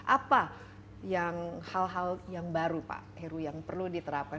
apa hal hal yang baru pak heru yang perlu diterapkan